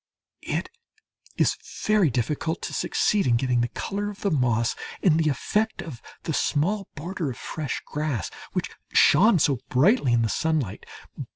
It is very difficult to succeed in getting the colour of the moss and the effect of the small border of fresh grass which shone so brightly in the sunlight.